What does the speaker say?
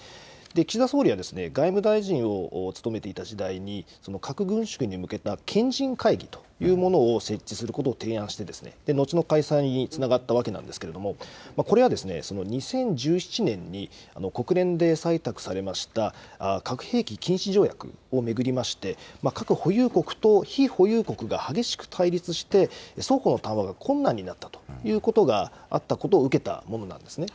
岸田総理は外務大臣を務めていた時代に核軍縮に向けた賢人会議というものを設置することを提案して、後の開催につながったわけなんですけれども、これはその２０１７年に国連で採択されました核兵器禁止条約を巡りまして、核保有国と非保有国が激しく対立して、双方の対話が困難になったということがあったことを受けたものなんですね。